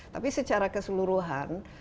tapi secara keseluruhan